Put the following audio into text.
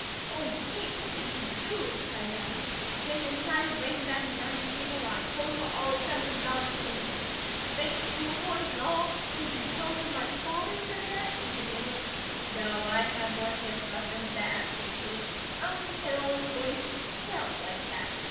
"Oh, Kate, what did you do?" cried Adam. "Went inside and ran around the dining table while I told him what all his sons and daughters think of him. 'Spanked school boys' and all " "Did you tell him my father said that?" he demanded. "No. I had more sense left than that," said Kate. "I only said all his boys FELT like that.